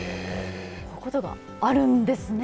こういうことがあるんですね。